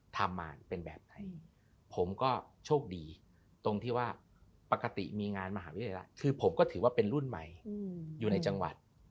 ทำมาเป็นแบบไหนผมก็โชคดีตรงที่ว่าปกติมีงานมหาวิทยาลัยคือผมก็ถือว่าเป็นรุ่นใหม่อยู่ในจังหวัด